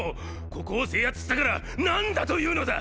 ここを制圧したから何だというのだ！！